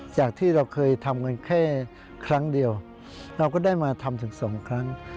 จากที่เราเคยทำกันแค่ครั้งเดียวเราก็ได้มาทำถึงสองครั้ง